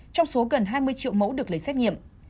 trong số gần hai mươi triệu mẫu được lấy xét nghiệm